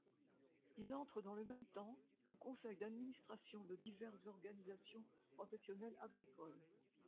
Il entre dans le même temps au Conseil d'Administration de diverses organisations professionnelles agricoles.